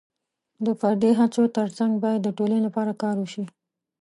د فردي هڅو ترڅنګ باید د ټولنې لپاره کار وشي.